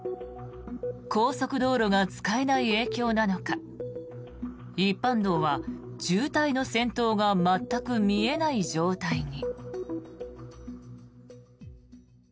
高速道路が使えない影響なのか一般道は渋滞の先頭が全く見えない状態に。